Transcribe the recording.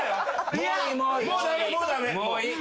もういい。